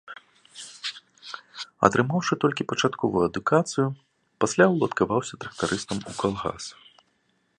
Атрымаўшы толькі пачатковую адукацыю, пасля уладкаваўся трактарыстам у калгас.